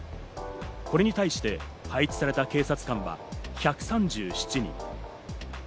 これに対して配置された警察官は１３７人。